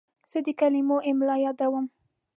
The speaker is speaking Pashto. زه د کلمو املا یادوم.